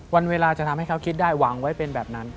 วันเวลาจะทำให้เขาคิดได้หวังไว้เป็นแบบนั้น